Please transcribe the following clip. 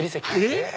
えっ！